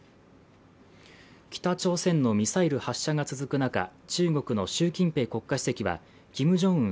北朝鮮のミサイル発射が続く中中国の習近平国家主席はキム・ジョンウン